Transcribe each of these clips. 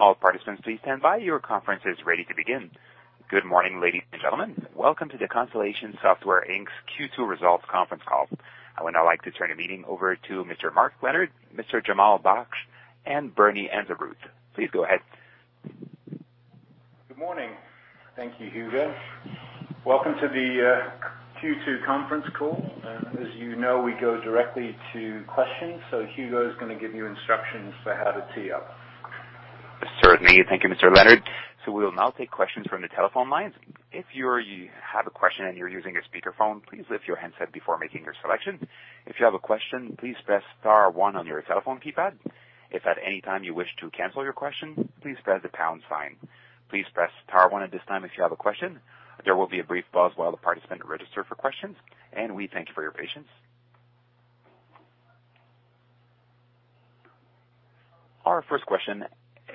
Good morning, ladies and gentlemen. Welcome to the Constellation Software Inc.'s Q2 Results Conference Call. I would now like to turn the meeting over to Mr. Mark Leonard, Mr. Jamal Baksh, and Bernie Anzarouth. Please go ahead. Good morning. Thank you, Hugo. Welcome to the Q2 conference call. As you know, we go directly to questions, so Hugo is gonna give you instructions for how to tee up. Certainly. Thank you, Mr. Leonard. We'll now take questions from the telephone lines. If you have a question and you're using your speakerphone, please lift your handset before making your selection. If you have a question, please press star one on your telephone keypad. If at any time you wish to cancel your question, please press the pound sign. Please press star one at this time if you have a question. There will be a brief pause while the participant register for questions, and we thank you for your patience. Our first question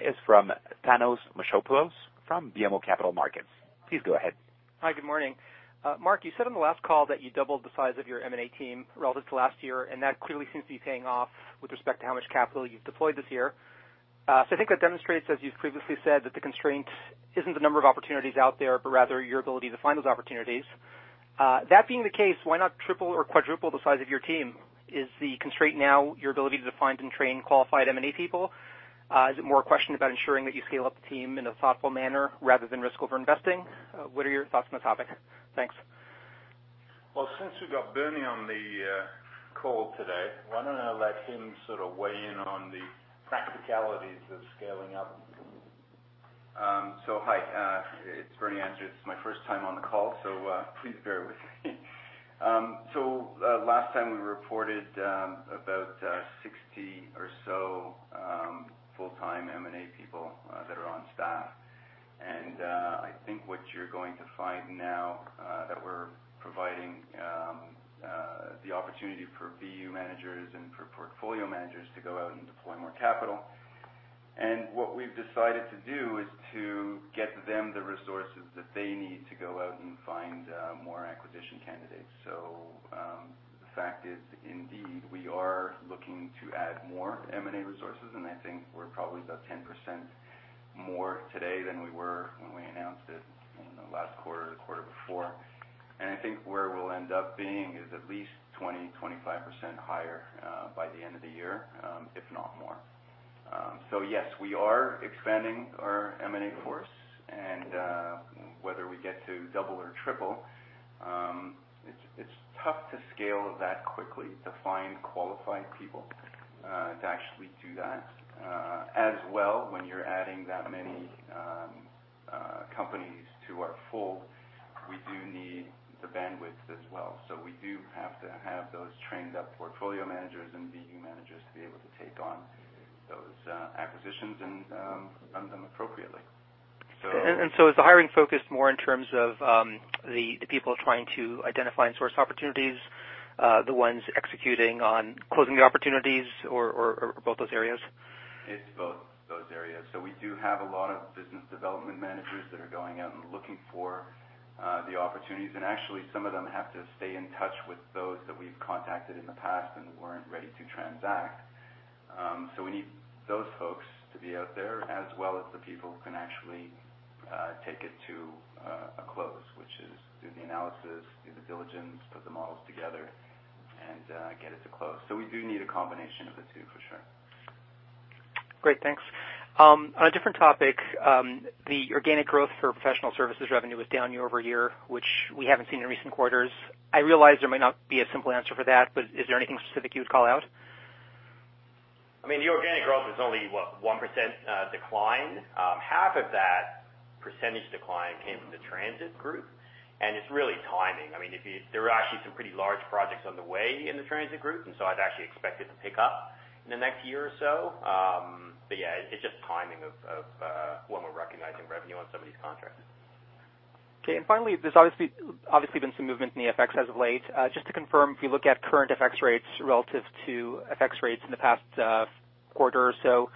is from Thanos Moschopoulos from BMO Capital Markets. Please go ahead. Hi, good morning. Mark, you said on the last call that you doubled the size of your M&A team relative to last year, and that clearly seems to be paying off with respect to how much capital you've deployed this year. I think that demonstrates, as you've previously said, that the constraint isn't the number of opportunities out there, but rather your ability to find those opportunities. That being the case, why not triple or quadruple the size of your team? Is the constraint now your ability to find and train qualified M&A people? Is it more a question about ensuring that you scale up the team in a thoughtful manner rather than risk over-investing? What are your thoughts on the topic? Thanks. Since we got Bernie on the call today, why don't I let him sort of weigh in on the practicalities of scaling up? Hi, it's Bernie Anzarouth. It's my first time on the call, please bear with me. Last time we reported about 60 or so full-time M&A people that are on staff. I think what you're going to find now that we're providing the opportunity for BU managers and for portfolio managers to go out and deploy more capital. What we've decided to do is to get them the resources that they need to go out and find more acquisition candidates. The fact is, indeed, we are looking to add more M&A resources, and I think we're probably about 10% more today than we were when we announced it in the last quarter or the quarter before. I think where we'll end up being is at least 20%-25% higher by the end of the year, if not more. Yes, we are expanding our M&A force, and whether we get to double or triple, it's tough to scale that quickly, to find qualified people to actually do that. As well, when you're adding that many companies to our fold, we do need the bandwidth as well. We do have to have those trained up portfolio managers and BU managers to be able to take on those acquisitions and run them appropriately. Is the hiring focused more in terms of the people trying to identify and source opportunities, the ones executing on closing the opportunities or both those areas? It's both those areas. We do have a lot of business development managers that are going out and looking for the opportunities. And actually, some of them have to stay in touch with those that we've contacted in the past and weren't ready to transact. We need those folks to be out there as well as the people who can actually take it to a close, which is do the analysis, do the diligence, put the models together, and get it to close. We do need a combination of the two for sure. Great. Thanks. On a different topic, the organic growth for professional services revenue was down year-over-year, which we haven't seen in recent quarters. I realize there might not be a simple answer for that, but is there anything specific you would call out? I mean, the organic growth is only, what, 1% decline. Half of that % decline came from the transit group, and it's really timing. I mean, there are actually some pretty large projects on the way in the transit group, I'd actually expect it to pick up in the next year or so. Yeah, it's just timing of when we're recognizing revenue on some of these contracts. Okay. Finally, there's obviously been some movement in the FX as of late. Just to confirm, if you look at current FX rates relative to FX rates in the past, quarter or so,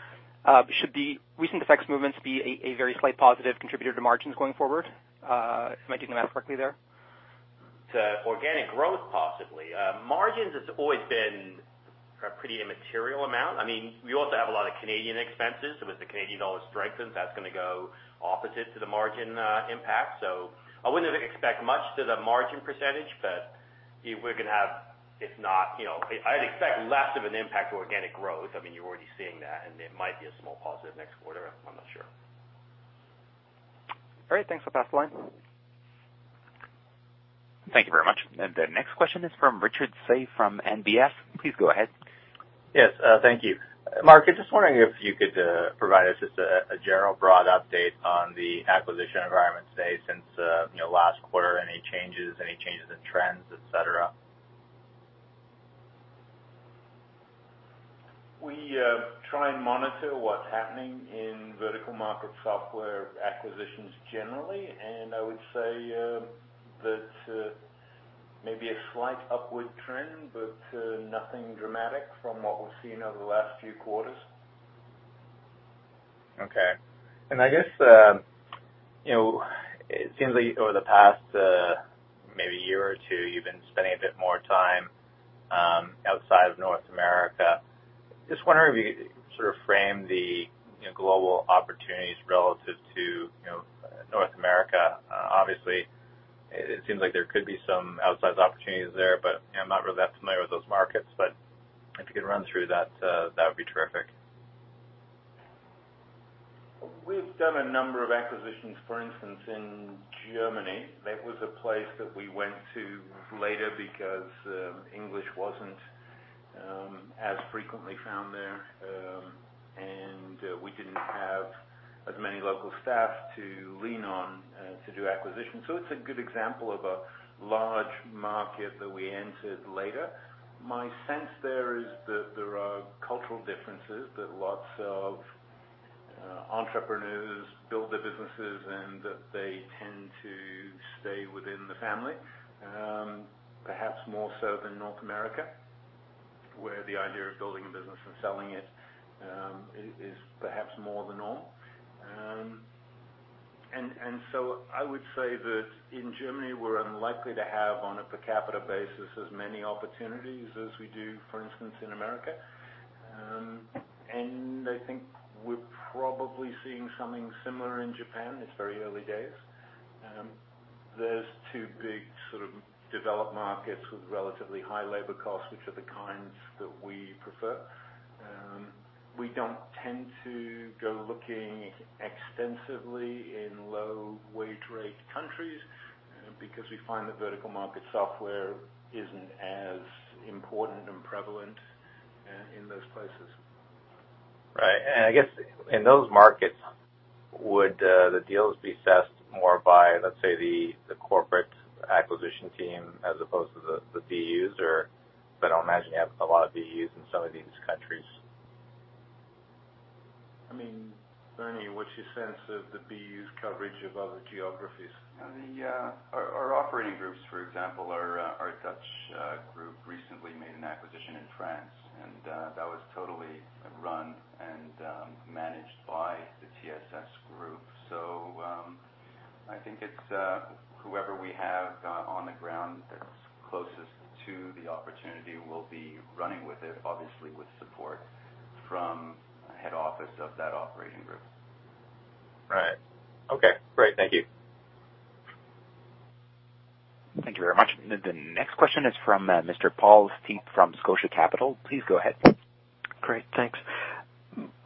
should the recent FX movements be a very slight positive contributor to margins going forward? Am I doing the math correctly there? To organic growth, possibly. Margins has always been a pretty immaterial amount. I mean, we also have a lot of Canadian expenses, so as the Canadian dollar strengthens, that's gonna go opposite to the margin impact. I wouldn't expect much to the margin percentage, but we're gonna have, if not, you know I'd expect less of an impact to organic growth. I mean, you're already seeing that, it might be a small positive next quarter. I'm not sure. Great. Thanks. I'll pass the line. Thank you very much. The next question is from Richard Tse from NBF. Please go ahead. Yes. Thank you, Mark. I'm just wondering if you could provide us just a general broad update on the acquisition environment, say since, you know, last quarter. Any changes, any changes in trends, et cetera? We try and monitor what's happening in vertical market software acquisitions generally, and I would say that maybe a slight upward trend, but nothing dramatic from what we've seen over the last few quarters. Okay. You know, it seems like over the past, maybe year or two, you've been spending a bit more time outside of North America. Just wondering if you sort of frame the, you know, global opportunities relative to, you know, North America. Obviously, it seems like there could be some outsized opportunities there, I'm not really that familiar with those markets. If you could run through that would be terrific. We've done a number of acquisitions, for instance, in Germany. That was a place that we went to later because English wasn't as frequently found there. We didn't have as many local staff to lean on to do acquisitions. It's a good example of a large market that we entered later. My sense there is that there are cultural differences that lots of entrepreneurs build their businesses and that they tend to stay within the family, perhaps more so than North America, where the idea of building a business and selling it is perhaps more the norm. I would say that in Germany, we're unlikely to have, on a per capita basis, as many opportunities as we do, for instance, in America. I think we're probably seeing something similar in Japan. It's very early days. There's two big sort of developed markets with relatively high labor costs, which are the kinds that we prefer. We don't tend to go looking extensively in low wage rate countries, because we find that vertical market software isn't as important and prevalent in those places. Right. I guess in those markets, would the deals be assessed more by, let's say, the corporate acquisition team as opposed to the BUs, or I don't imagine you have a lot of BUs in some of these countries? I mean, Bernie, what's your sense of the BU's coverage of other geographies? I mean, yeah, our operating groups, for example, our Dutch group recently made an acquisition in France, that was totally run and managed by the TSS group. I think it's whoever we have on the ground that's closest to the opportunity will be running with it, obviously with support from head office of that operating group. Right. Okay, great. Thank you. Thank you very much. The next question is from Mr. Paul Steep from Scotia Capital. Please go ahead. Great, thanks.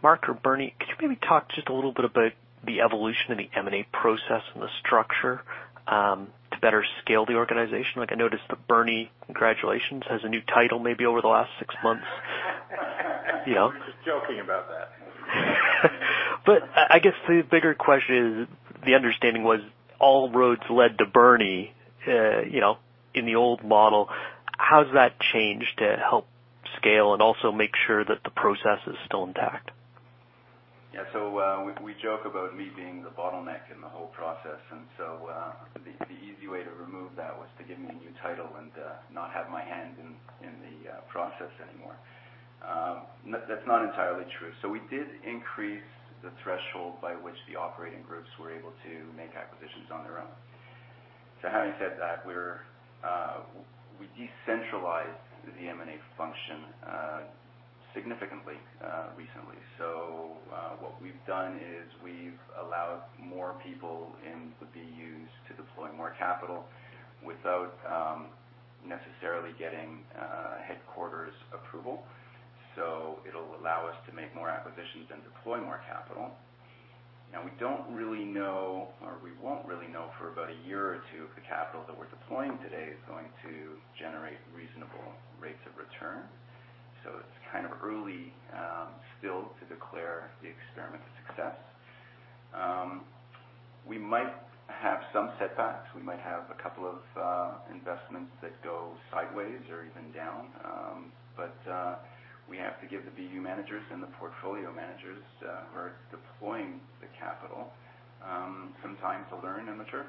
Mark or Bernie, could you maybe talk just a little bit about the evolution in the M&A process and the structure to better scale the organization? Like I noticed that Bernie, congratulations, has a new title maybe over the last six months. You know. We're just joking about that. I guess the bigger question is the understanding was all roads led to Bernie, you know, in the old model. How's that changed to help scale and also make sure that the process is still intact? Yeah. We joke about me being the bottleneck in the whole process. The easy way to remove that was to give me a new title and not have my hand in the process anymore. That, that's not entirely true. We did increase the threshold by which the operating groups were able to make acquisitions on their own. Having said that, we decentralized the M&A function significantly recently. What we've done is we've allowed more people in the BUs to deploy more capital without necessarily getting headquarters approval. It'll allow us to make more acquisitions and deploy more capital. We don't really know or we won't really know for about one or two if the capital that we're deploying today is going to generate reasonable rates of return. It's kind of early still to declare the experiment a success. We might have some setbacks. We might have a couple of investments that go sideways or even down. We have to give the BU managers and the portfolio managers who are deploying the capital some time to learn and mature.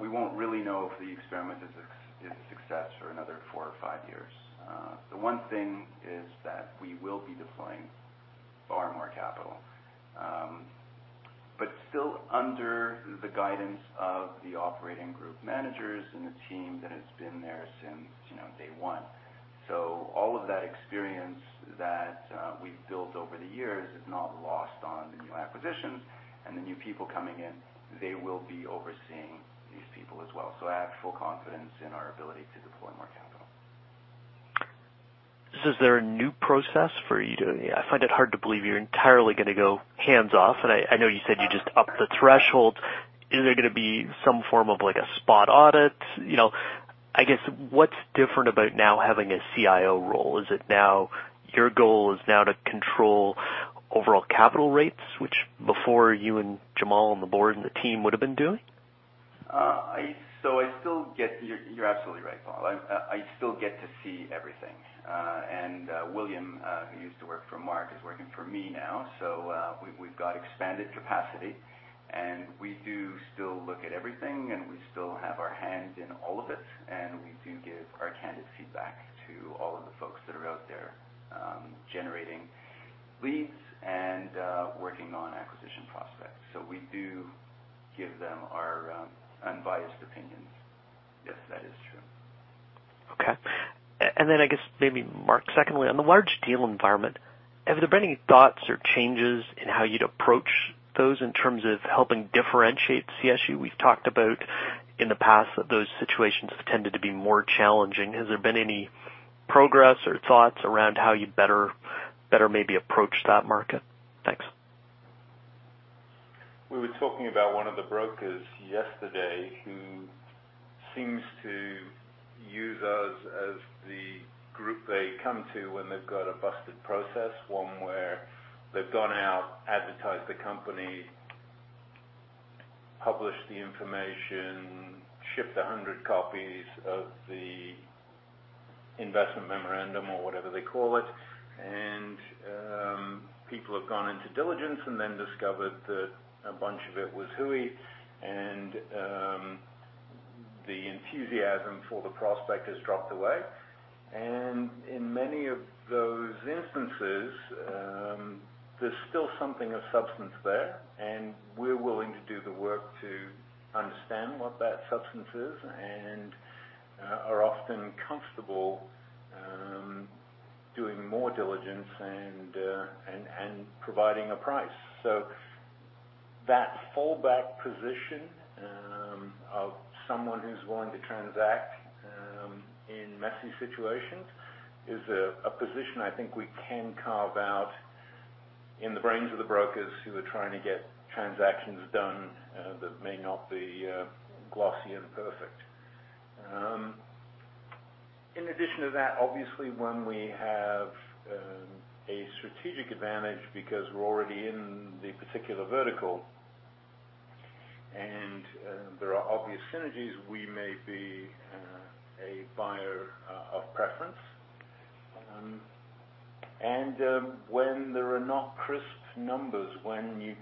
We won't really know if the experiment is a success for another four or five years. The one thing is that we will be deploying far more capital still under the guidance of the operating group managers and the team that has been there since, you know, day one. All of that experience that we've built over the years is not lost on the new acquisitions and the new people coming in. They will be overseeing these people as well. I have full confidence in our ability to deploy more capital. Is there a new process for you to I find it hard to believe you're entirely gonna go hands-off, and I know you said you just upped the threshold. Is there gonna be some form of like a spot audit? You know, I guess what's different about now having a CIO role? Is it now your goal is now to control overall capital rates, which before you and Jamal on the board and the team would have been doing? I still get You're absolutely right, Paul. I still get to see everything. William, who used to work for Mark, is working for me now. we've got expanded capacity. We do still look at everything, and we still have our hand in all of it, and we do give our candid feedback to all of the folks that are out there, generating leads and working on acquisition prospects. We do give them our unbiased opinions. Yes, that is true. Okay. Then I guess maybe Mark, secondly, on the large deal environment, have there been any thoughts or changes in how you'd approach those in terms of helping differentiate CSU? We've talked about in the past that those situations have tended to be more challenging. Has there been any progress or thoughts around how you'd better maybe approach that market? Thanks. We were talking about one of the brokers yesterday who seems to use us as the group they come to when they've got a busted process, one where they've gone out, advertised the company, published the information, shipped 100 copies of the investment memorandum or whatever they call it. People have gone into diligence and then discovered that a bunch of it was hooey, and the enthusiasm for the prospect has dropped away. In many of those instances, there's still something of substance there, and we're willing to do the work to understand what that substance is and are often comfortable doing more diligence and providing a price. That fallback position of someone who's willing to transact in messy situations is a position I think we can carve out in the brains of the brokers who are trying to get transactions done that may not be glossy and perfect. In addition to that, obviously, when we have a strategic advantage because we're already in the particular vertical and there are obvious synergies, we may be a buyer of preference. And when there are not crisp numbers, when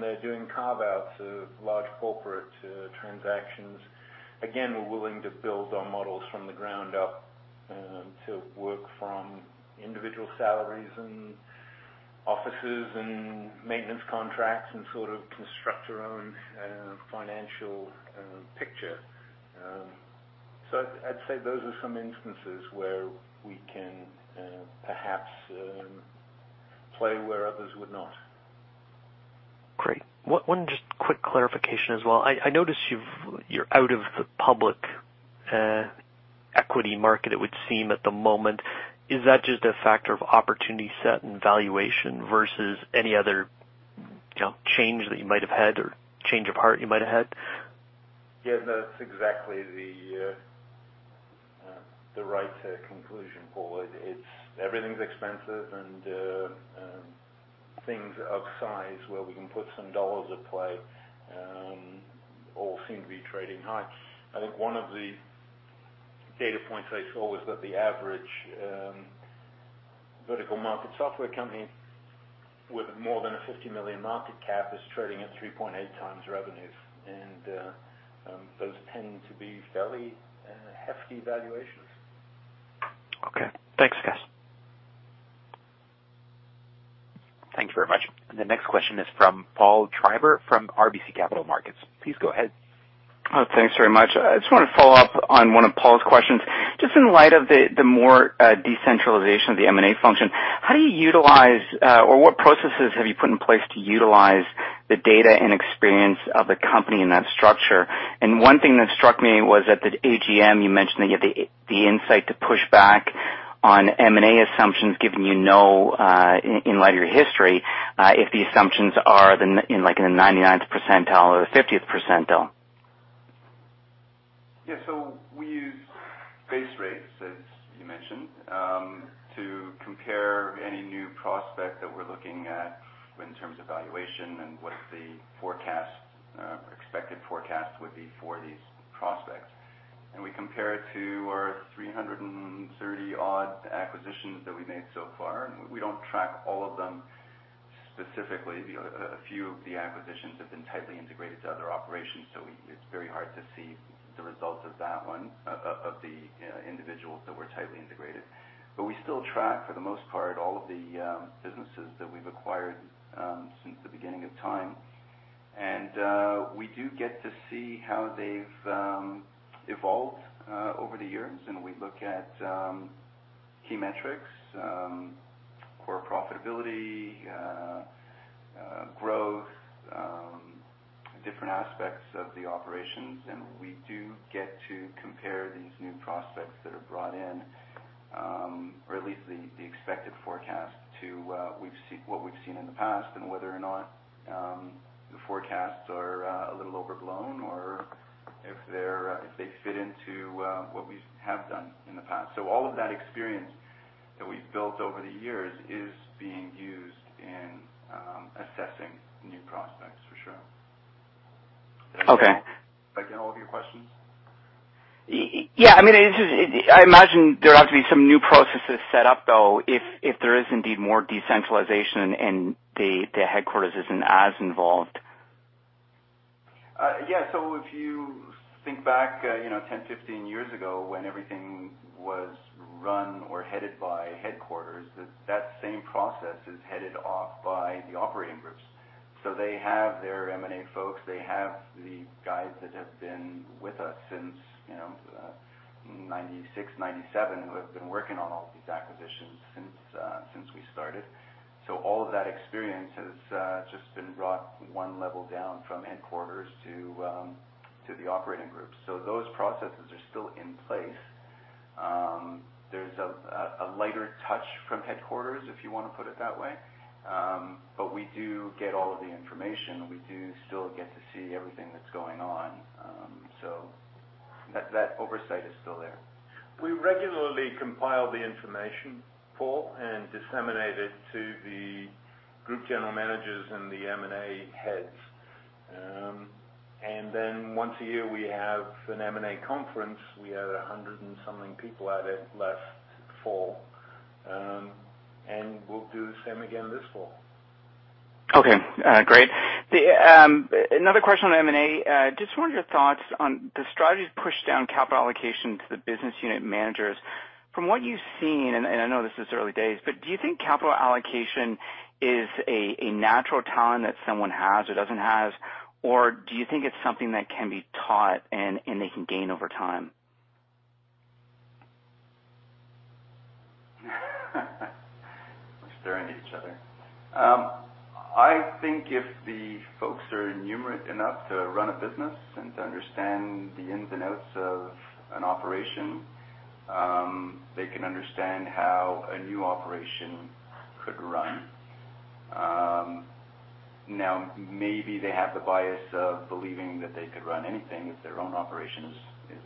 they're doing carve-outs of large corporate transactions, again, we're willing to build our models from the ground up to work from individual salaries and offices and maintenance contracts and sort of construct our own financial picture. I'd say those are some instances where we can, perhaps, play where others would not. Great. One just quick clarification as well. I notice you're out of the public equity market, it would seem, at the moment. Is that just a factor of opportunity set and valuation versus any other, you know, change that you might have had or change of heart you might have had? Yeah, that's exactly the right conclusion, Paul. It's everything's expensive and things of size where we can put some dollars at play all seem to be trading high. I think one of the data points I saw was that the average vertical market software company with more than a 50 million market cap is trading at 3.8 times revenues. Those tend to be fairly hefty valuations. Okay. Thanks, guys. Thank you very much. The next question is from Paul Treiber from RBC Capital Markets. Please go ahead. Oh, thanks very much. I just wanna follow up on one of Paul's questions. Just in light of the more decentralization of the M&A function, how do you utilize, or what processes have you put in place to utilize the data and experience of the company in that structure? One thing that struck me was at the AGM, you mentioned that you have the insight to push back on M&A assumptions, given you know, in light of your history, if the assumptions are in like in the 99th percentile or the 50th percentile. Yeah. We use base rates, as you mentioned, to compare any new prospect that we're looking at in terms of valuation and what the forecast, expected forecast would be for these prospects. We compare it to our 330 odd acquisitions that we've made so far. We don't track all of them specifically. You know, a few of the acquisitions have been tightly integrated to other operations, so it's very hard to see the results of that one, of the individuals that were tightly integrated. We still track, for the most part, all of the businesses that we've acquired, since the beginning of time. We do get to see how they've evolved over the years. We look at key metrics, core profitability, growth, different aspects of the operations. We do get to compare these new prospects that are brought in, or at least the expected forecast to what we've seen in the past and whether or not the forecasts are a little overblown or if they fit into what we have done in the past. All of that experience that we've built over the years is being used in assessing new prospects for sure. Okay. Did I get all of your questions? Yeah. I mean, it just, I imagine there have to be some new processes set up, though, if there is indeed more decentralization and the headquarters isn't as involved. Yeah. If you think back, you know, 10, 15 years ago when everything was run or headed by headquarters, that same process is headed off by the operating groups. They have their M&A folks. They have the guys that have been with us since, you know, 1996, 1997, who have been working on all of these acquisitions since we started. All of that experience has just been brought one level down from headquarters to the operating groups. Those processes are still in place. There's a lighter touch from headquarters, if you want to put it that way. We do get all of the information. We do still get to see everything that's going on. That oversight is still there. We regularly compile the information, Paul, and disseminate it to the group general managers and the M&A heads. Once a year, we have an M&A conference. We had a hundred and something people at it last fall. We'll do the same again this fall. Okay. great. another question on M&A. just wondering your thoughts on the strategies pushed down capital allocation to the business unit managers. From what you've seen, and I know this is early days, but do you think capital allocation is a natural talent that someone has or doesn't have? Or do you think it's something that can be taught and they can gain over time? We're staring at each other. I think if the folks are numerate enough to run a business and to understand the ins and outs of an operation, they can understand how a new operation could run. Now maybe they have the bias of believing that they could run anything if their own operation is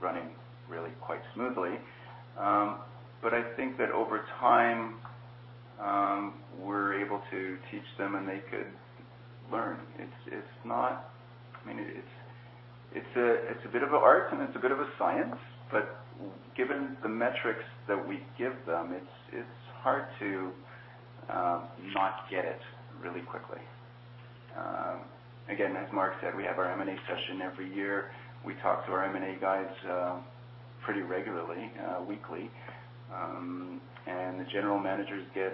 running really quite smoothly. I think that over time, we're able to teach them, and they could learn. It's, it's not I mean, it's a, it's a bit of an art, and it's a bit of a science, but given the metrics that we give them, it's hard to not get it really quickly. Again, as Mark said, we have our M&A session every year. We talk to our M&A guys pretty regularly weekly. The general managers get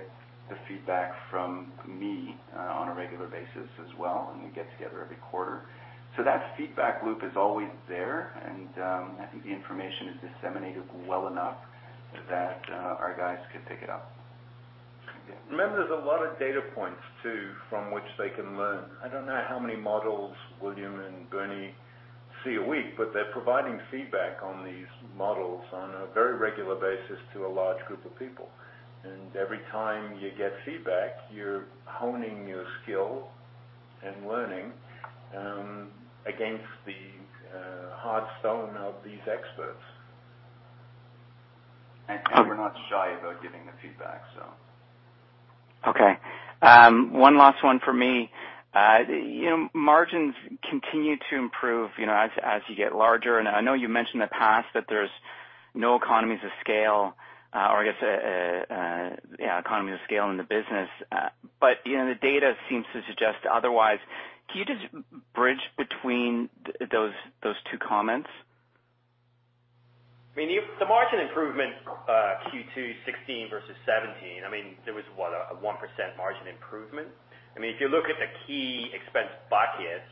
the feedback from me on a regular basis as well, and we get together every quarter. That feedback loop is always there, and I think the information is disseminated well enough that our guys can pick it up. Remember, there's a lot of data points, too, from which they can learn. I don't know how many models William and Bernie see a week, but they're providing feedback on these models on a very regular basis to a large group of people. Every time you get feedback, you're honing your skill and learning against the hard stone of these experts. We're not shy about giving the feedback. Okay. One last one for me. You know, margins continue to improve, you know, as you get larger. I know you mentioned in the past that there's no economies of scale, or I guess, yeah, economies of scale in the business. You know, the data seems to suggest otherwise. Can you just bridge between those two comments? The margin improvement, Q2 2016 versus 2017, I mean, there was, what, a 1% margin improvement. I mean, if you look at the key expense buckets,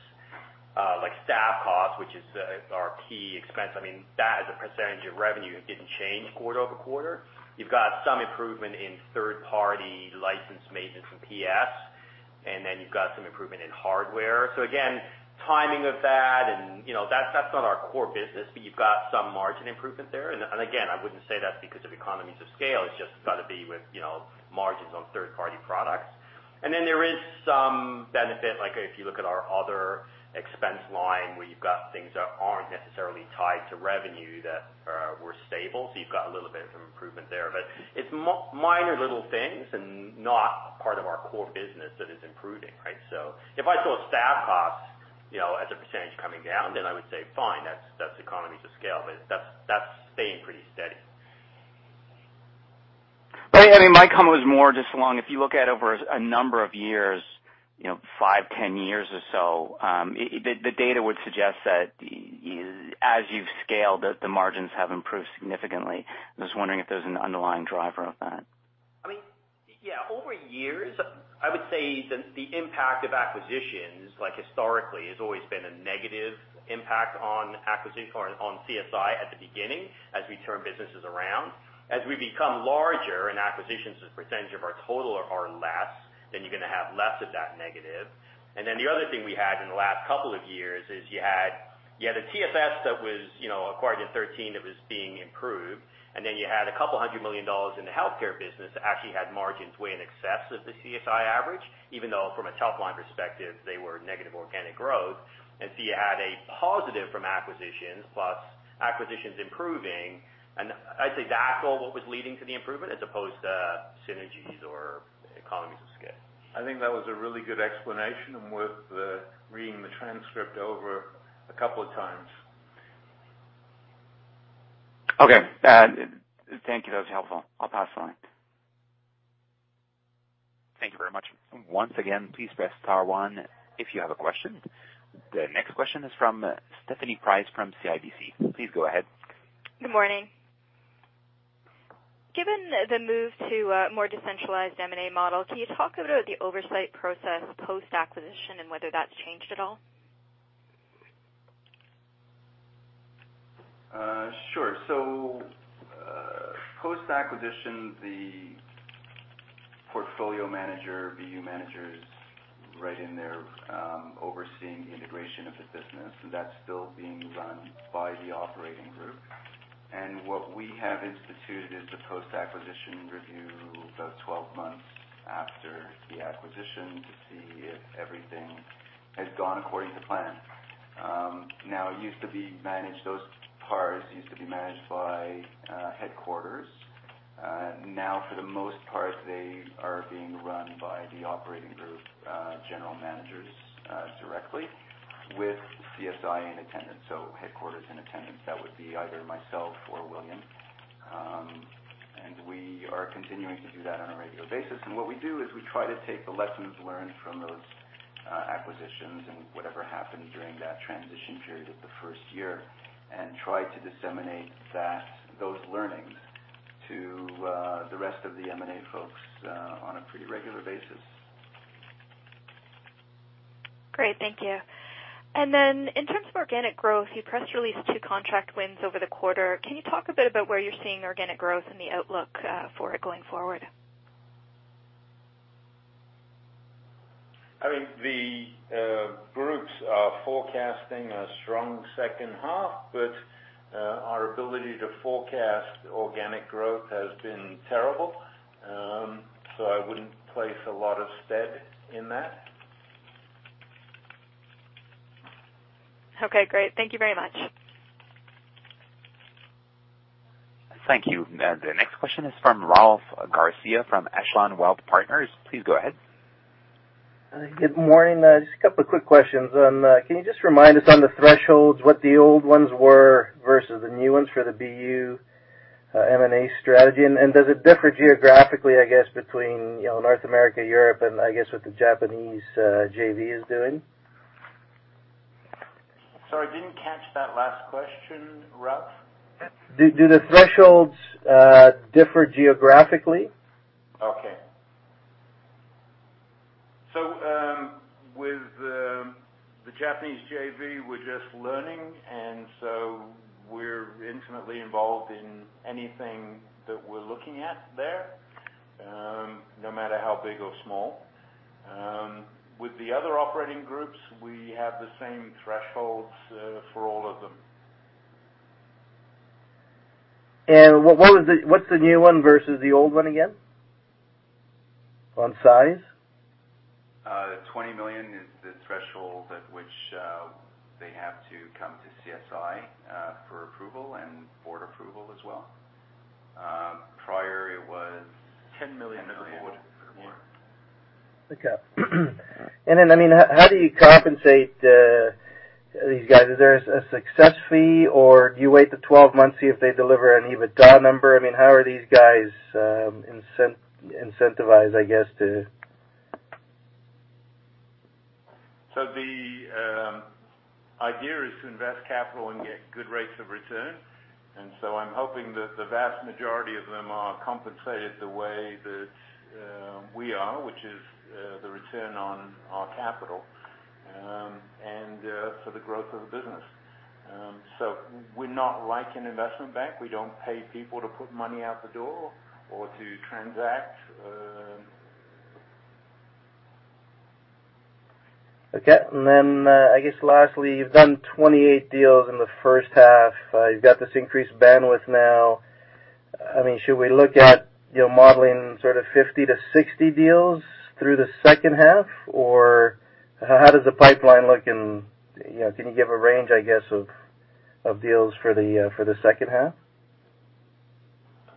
like staff costs, which is our key expense, I mean, that as a percent of revenue didn't change quarter-over-quarter. You've got some improvement in third-party license maintenance and PS, you've got some improvement in hardware. Again, timing of that and, you know, that's not our core business, but you've got some margin improvement there. Again, I wouldn't say that's because of economies of scale. It's just gotta be with, you know, margins on third-party products. There is some benefit, like if you look at our other expense line, where you've got things that aren't necessarily tied to revenue that were stable. You've got a little bit of improvement there. It's minor little things and not part of our core business that is improving, right? If I saw staff costs, you know, as a percentage coming down, then I would say, "Fine, that's economies of scale." That's, that's staying pretty steady. Right. I mean, my comment was more just along, if you look at over a number of years, you know, five, 10 years or so, the data would suggest that as you've scaled, the margins have improved significantly. I'm just wondering if there's an underlying driver of that. I mean, yeah, over years, I would say the impact of acquisitions, like historically, has always been a negative impact on CSI at the beginning as we turn businesses around. As we become larger and acquisitions as a percentage of our total are less, then you're gonna have less of that negative. The other thing we had in the last couple of years is you had a TSS that was, you know, acquired in 2013 that was being improved, then you had 200 million dollars in the healthcare business that actually had margins way in excess of the CSI average, even though from a top line perspective, they were negative organic growth. You had a positive from acquisitions plus acquisitions improving. I'd say that's all what was leading to the improvement as opposed to synergies or. Economies of scale. I think that was a really good explanation and worth reading the transcript over a couple of times. Okay. Thank you. That was helpful. I'll pass the line. Thank you very much. Once again, please press star one if you have a question. The next question is from Stephanie Price from CIBC. Please go ahead. Good morning. Given the move to a more decentralized M&A model, can you talk about the oversight process post-acquisition and whether that's changed at all? Sure, post-acquisition, the portfolio manager, BU manager is right in there, overseeing integration of the business. That's still being run by the operating group. What we have instituted is a post-acquisition review about 12 months after the acquisition to see if everything has gone according to plan. Now those PARs used to be managed by headquarters. Now, for the most part, they are being run by the operating group general managers directly with CSI in attendance, so headquarters in attendance. That would be either myself or William. We are continuing to do that on a regular basis. What we do is we try to take the lessons learned from those acquisitions and whatever happened during that transition period of the first year and try to disseminate that, those learnings to the rest of the M&A folks on a pretty regular basis. Great. Thank you. Then in terms of organic growth, you press release two contract wins over the quarter. Can you talk a bit about where you're seeing organic growth and the outlook for it going forward? I mean, the groups are forecasting a strong second half, but our ability to forecast organic growth has been terrible. I wouldn't place a lot of stead in that. Okay, great. Thank you very much. Thank you. The next question is from Ralph Garcea from Echelon Wealth Partners. Please go ahead. Good morning. Just a couple of quick questions. Can you just remind us on the thresholds, what the old ones were versus the new ones for the BU M&A strategy? Does it differ geographically, I guess, between, you know, North America, Europe and I guess what the Japanese JV is doing? Sorry, I didn't catch that last question, Ralph. Do the thresholds differ geographically? Okay. With the Japanese JV, we're just learning, and so we're intimately involved in anything that we're looking at there, no matter how big or small. With the other operating groups, we have the same thresholds for all of them. What's the new one versus the old one again on size? 20 million is the threshold at which they have to come to CSI for approval and board approval as well. 10 million before. 10 million. Yeah. Okay. I mean, how do you compensate these guys? Is there a success fee, or do you wait the 12 months, see if they deliver an EBITDA number? I mean, how are these guys incentivized? The idea is to invest capital and get good rates of return. I'm hoping that the vast majority of them are compensated the way that we are, which is the return on our capital and for the growth of the business. We're not like an investment bank. We don't pay people to put money out the door or to transact. Okay. I guess lastly, you've done 28 deals in the first half. You've got this increased bandwidth now. I mean, should we look at, you know, modeling sort of 50 to 60 deals through the second half? How does the pipeline look in You know, can you give a range, I guess, of deals for the second half?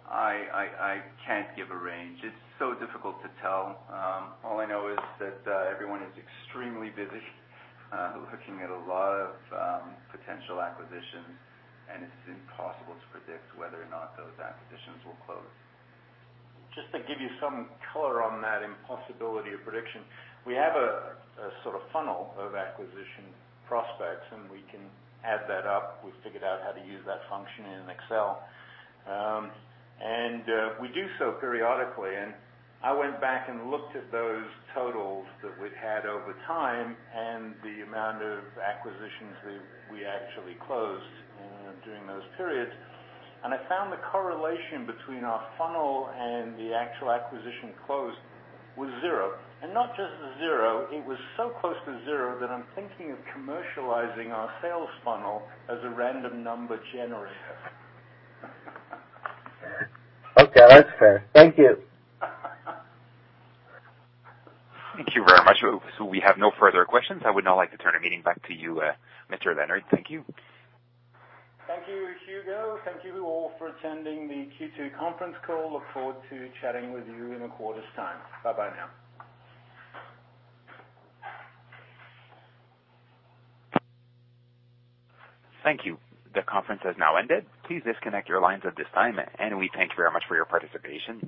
I can't give a range. It's so difficult to tell. All I know is that everyone is extremely busy looking at a lot of potential acquisitions, and it's impossible to predict whether or not those acquisitions will close. Just to give you some color on that impossibility of prediction, we have a sort of funnel of acquisition prospects, and we can add that up. We've figured out how to use that function in Excel. We do so periodically. I went back and looked at those totals that we've had over time and the amount of acquisitions that we actually closed during those periods. I found the correlation between our funnel and the actual acquisition closed was zero. Not just zero, it was so close to zero that I'm thinking of commercializing our sales funnel as a random number generator. Okay, that's fair. Thank you. Thank you very much. We have no further questions. I would now like to turn the meeting back to you, Mr. Leonard. Thank you. Thank you, Hugo. Thank you all for attending the Q2 conference call. Look forward to chatting with you in a quarter's time. Bye-bye now. Thank you. The conference has now ended. Please disconnect your lines at this time, and we thank you very much for your participation.